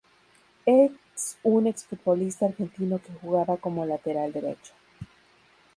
Es un exfutbolista argentino que jugaba como lateral derecho.